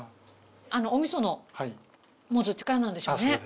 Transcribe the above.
お味噌の持つ力なんでしょうね。